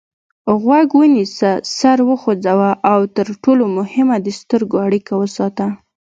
غوږ ونیسه سر وخوځوه او تر ټولو مهمه د سترګو اړیکه وساته.